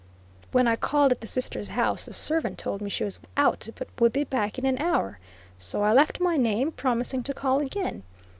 When I called at the sister's house, the servant told me she was out, but would be back in an hour; so I left my name, promising to call again.